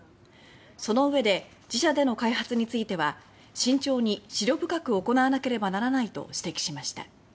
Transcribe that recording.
そのうえで自社での開発については「慎重に思慮深く行わなければならない」と指摘しました。